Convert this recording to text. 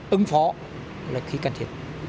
ứng phó là khi cần thiết